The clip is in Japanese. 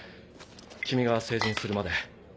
君が成人するまで。